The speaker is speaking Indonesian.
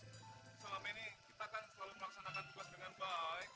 aduh bos tega banget bos bagi kita bos